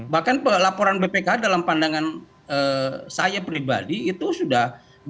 bahkan laporan bpkh dalam pandangan saya pribadi itu sudah